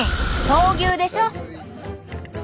闘牛でしょ。